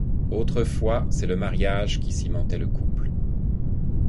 Autrefois, c’est le mariage qui cimentait le couple.